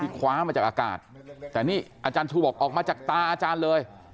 คว้ามาจากอากาศแต่นี่อาจารย์ชูบอกออกมาจากตาอาจารย์เลย